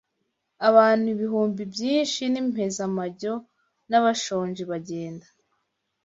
Abantu ibihumbi byinshi b’impezamajyo n’abashonji bagenda